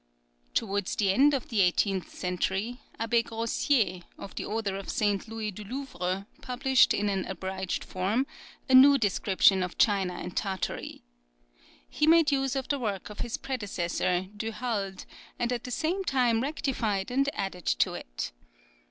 Towards the end of the eighteenth century, Abbé Grosier, of the order of St. Louis du Louvre, published in an abridged form, a new description of China and Tartary. He made use of the work of his predecessor, Du Halde, and at the same time rectified and added to it.